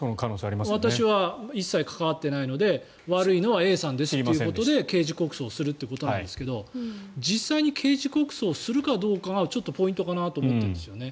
私は一切関わっていないので悪いのはＡさんですということで刑事告訴するということなんですけど実際に刑事告訴をするかどうかがちょっとポイントかなと思っているんですよね。